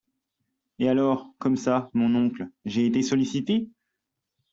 Et alors, comme ça, mon oncle, j’ai été sollicitée ?